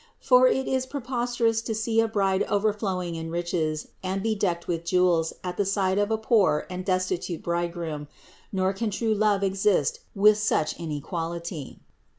For it is preposterous to see a bride overflowing in riches and bedecked with jewels at the side of a poor and destitute bridegroom ; nor can true love exist with such inequality.